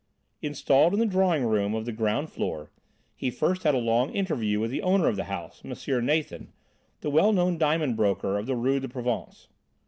Installed in the drawing room on the ground floor, he first had a long interview with the owner of the house, M. Nathan, the well known diamond broker of the Rue de Provence.